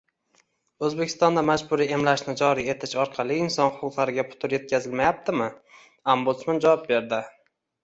O‘zbekistonda majburiy emlashni joriy etish orqali inson huquqlariga putur yetkazilmayaptimi? Ombdusman javob berdi